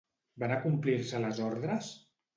Van acomplir-se les ordres?